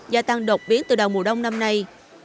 gia tăng đột biến từ đầu mùa đông năm nay